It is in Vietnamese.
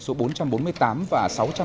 số bốn trăm bốn mươi tám và sáu trăm linh